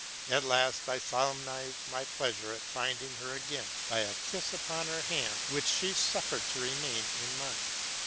At last I solemnized my pleasure at finding her again, by a kiss upon her hand, w hich she suffered to remain in mine.